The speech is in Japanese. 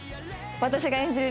私が演じる凛